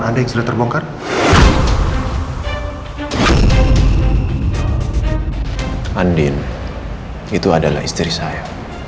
andin itu adalah istri saya